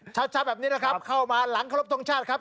เช้าแบบนี้นะครับเข้ามาหลังครบทรงชาติครับ